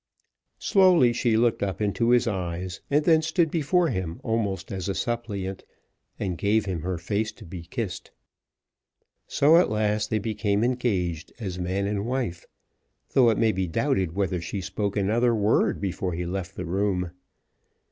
Slowly she looked up into his eyes, and then stood before him almost as a suppliant, and gave him her face to be kissed. So at last they became engaged as man and wife; though it may be doubted whether she spoke another word before he left the room.